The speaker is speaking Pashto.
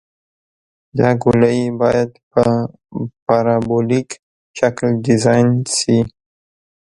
دا ګولایي باید په پارابولیک شکل ډیزاین شي